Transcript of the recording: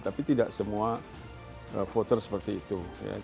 tapi tidak semua voter seperti itu